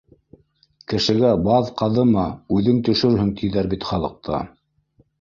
Кешегә баҙ ҡаҙыма, үҙең төшөрһөң, тиҙәр бит халыҡта